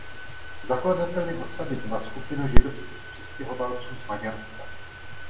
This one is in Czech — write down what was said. Zakladateli osady byla skupina židovských přistěhovalců z Maďarska.